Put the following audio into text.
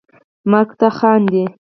مرګ ته خاندي